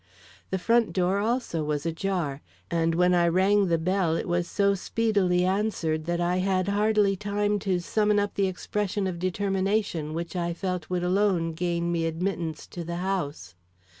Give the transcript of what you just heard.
The front door also was ajar, and when I rang the bell it was so speedily answered that I had hardly time to summon up the expression of determination which I felt would alone gain me admittance to the house.